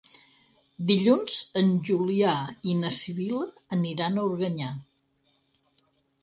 Dilluns en Julià i na Sibil·la aniran a Organyà.